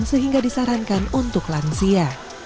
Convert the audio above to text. sehingga disarankan untuk lansia